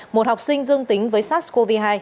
một học sinh dương tính với sars cov hai